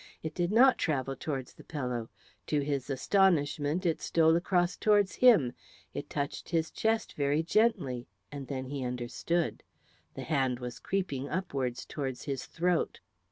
It did not travel towards the pillow; to his astonishment it stole across towards him, it touched his chest very gently, and then he understood. The hand was creeping upwards towards his throat.